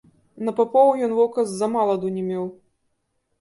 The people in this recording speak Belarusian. На папоў ён вока ззамаладу не меў.